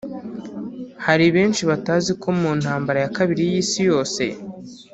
Hari benshi batazi ko mu ntambara ya kabiri y’isi yose